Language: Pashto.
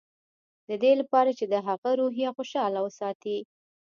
د دې لپاره چې د هغه روحيه خوشحاله وساتي.